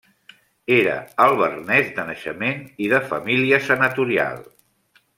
Era alvernès de naixement i de família senatorial.